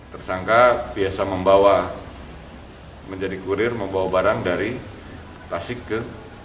tersangka biasa membawa menjadi kurir membawa barang dari tasik ke